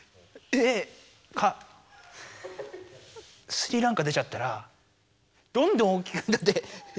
「スリランカ」出ちゃったらどんどん大きくなって。